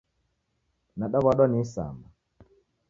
Nadaw'adwa ni isama